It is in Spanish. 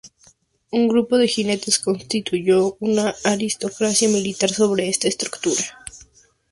Un grupo de jinetes constituyó una aristocracia militar sobre esta estructura.